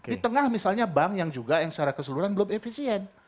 di tengah misalnya bank yang juga yang secara keseluruhan belum efisien